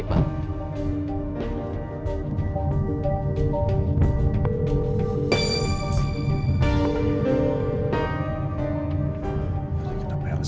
kenapa yang kesini akan ketemu telepon si